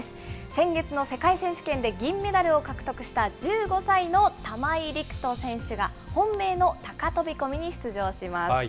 先月の世界選手権で銀メダルを獲得した１５歳の玉井陸斗選手が、本命の高飛び込みに出場します。